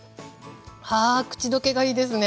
あ口溶けがいいですね。